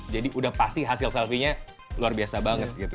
jadi udah pasti hasil selfie nya luar biasa banget gitu